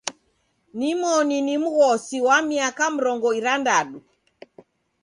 Nimoni ni mghosi, wa miaka mrongo irandadu.